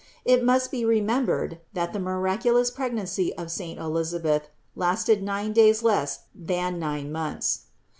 It must be remembered, that the miraculous preg nancy of saint Elisabeth lasted nine days less than nine months.